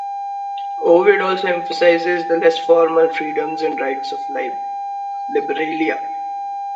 Ovid also emphasises the less formal freedoms and rights of Liberalia.